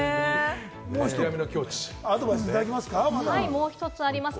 もう１つあります。